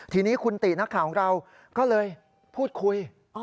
ทีนี้คุณตินักข่าวของเราก็เลยพูดคุย